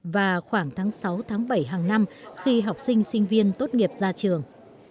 và khoảng tháng sáu tháng bảy hàng năm khi học sinh sinh viên tốt nghiệp ra trường